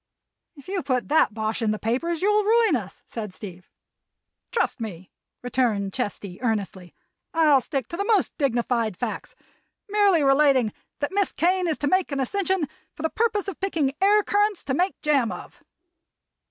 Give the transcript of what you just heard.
"If you put that bosh in the papers you'll ruin us," said Steve. "Trust me," returned Chesty, earnestly. "I'll stick to the most dignified facts, merely relating that Miss Kane is to make an ascension for the purpose of picking air currants to make jam of."